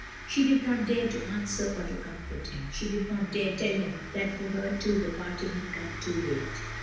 She did not dare to answer or to comfort him; she did not dare tell him that for her too the part ing had come too late.